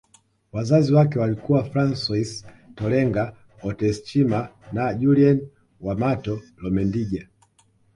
Wazazi wake walikuwa Francois Tolenga Otetshima na Julienne Wamato Lomendja